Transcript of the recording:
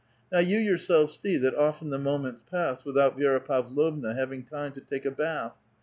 Now you yourselves see that often the moments pass without Vi^ra Pavlovna having time to take a bath.